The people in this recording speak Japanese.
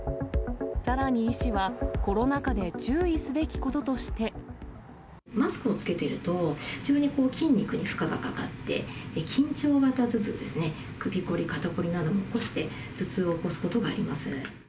さらに医師は、マスクを着けていると、急に筋肉に負荷がかかって、緊張型頭痛ですね、首凝り、肩凝りなどを起こして、頭痛を起こすことがあります。